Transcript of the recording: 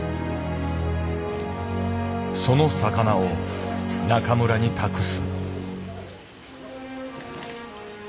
その魚を中村に託す。